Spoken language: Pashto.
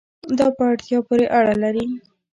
دا په اړتیا پورې اړه لري